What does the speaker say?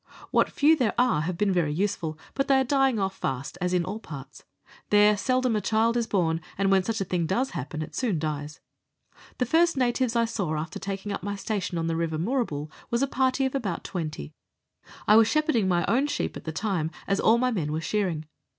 What few there are have been very useful, but they are dying off fast as in all parts ; there seldom is a child born, and when such a thing does happen it soon dies. The first natives I saw after taking up my station on the River Moorabool was a party of about 20. I was shepherding my own sheep at the time, as all my men were shear ing.